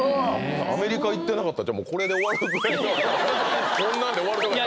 アメリカ行ってなかったらこれで終わるぐらいのこんなんで終わるとこやった